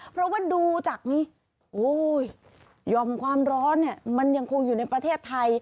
เพราะว่าดูจากนี้ยอมความร้อนเนี่ยมันยังคงอยู่ในประเทศไทย